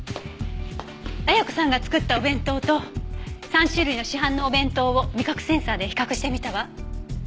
綾子さんが作ったお弁当と３種類の市販のお弁当を味覚センサーで比較してみたわ。